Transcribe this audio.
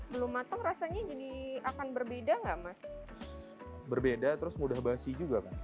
belum matang rasanya jadi akan berbeda enggak mas berbeda terus mudah basi juga oh jadi supaya di